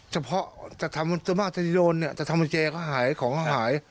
เฉพาะจัดทรมานเตอร์โดนเนี่ยจัดทรมานเจก็หายของก็หาย